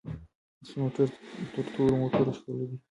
سپین موټر تر تورو موټرو ښکلی دی.